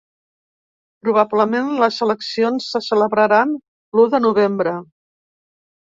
Probablement les eleccions se celebraran l’u de novembre.